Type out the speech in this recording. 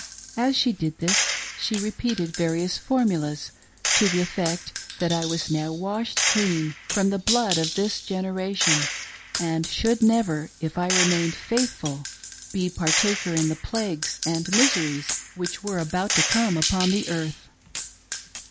As she did this she repeated various formulas to the effect that I was now washed clean from the blood of this generation and should never, if I remained faithful, be partaker in the plagues and miseries which were about to come upon the earth.